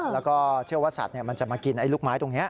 แล้วก็เชื่อว่าสัตว์มันจะมากินไอ้ลูกไม้ตรงนี้